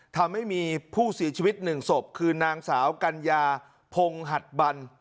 ทำให้มีผู้เสียชีวิตหนึ่งศพคือนางสาวกัญญาพงหัดบัน